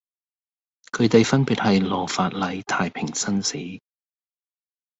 佢地分別係羅發禮太平紳士